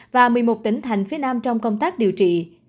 và một mươi một tỉnh thành phía nam trong công tác điều trị